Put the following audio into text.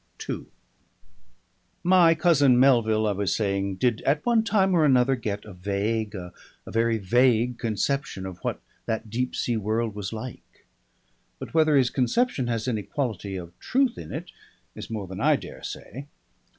II My cousin Melville, I was saying, did at one time or another get a vague, a very vague conception of what that deep sea world was like. But whether his conception has any quality of truth in it is more than I dare say.